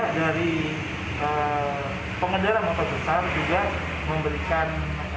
kita dari pengendara motor besar juga memberikan